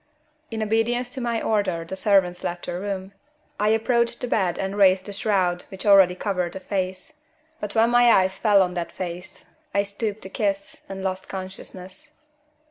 In obedience to my order the servants left the room. I approached the bed and raised the shroud which already covered the face. But when my eyes fell on that face, I stooped to kiss it and lost consciousness.